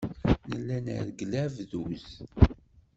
Nella nreggel abduz.